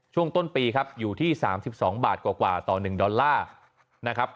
ช่วงต้นปีครับอยู่ที่สามสิบสองบาทกว่าต่อหนึ่งดอลลาร์นะครับ